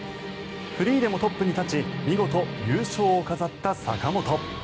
フリーでもトップに立ち見事、優勝を飾った坂本。